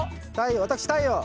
私太陽！